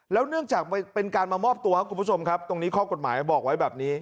เนื่องจากเป็นการมามอบตัวครับคุณผู้ชมครับตรงนี้ข้อกฎหมายบอกไว้แบบนี้